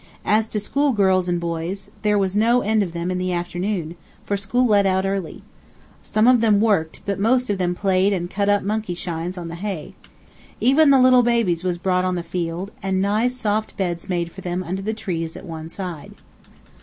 As to schoolgirls and boys, there was no end of them in the afternoon, for school let out early. Some of them worked, but most of them played and cut up monkey shines on the hay. Even the little babies was brought on the field, and nice, soft beds made for them under the trees at one side.